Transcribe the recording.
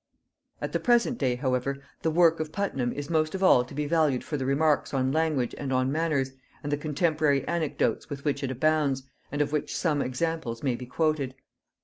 At the present day, however, the work of Puttenham is most of all to be valued for the remarks on language and on manners, and the contemporary anecdotes with which it abounds, and of which some examples may be quoted.